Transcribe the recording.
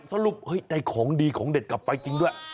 สรุปได้ของดีของเด็ดกลับไปจริงด้วย